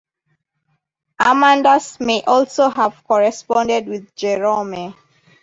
Amandus may also have corresponded with Jerome.